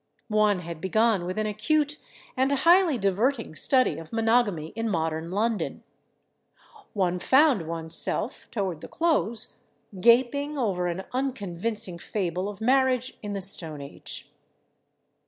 One had begun with an acute and highly diverting study of monogamy in modern London; one found one's self, toward the close, gaping over an unconvincing fable of marriage in the Stone Age.